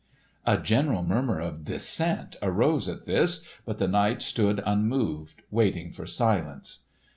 A general murmur of dissent arose at this, but the knight stood unmoved waiting for silence.